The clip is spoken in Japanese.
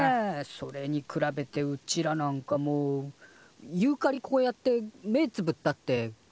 それに比べてうちらなんかもうユーカリこうやって目ぇつぶったって。